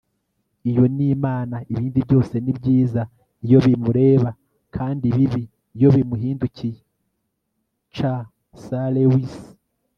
iyo ni imana ibindi byose ni byiza iyo bimureba kandi bibi iyo bimuhindukiye - c s lewis